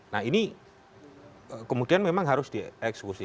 nah ini kemudian memang harus dieksekusi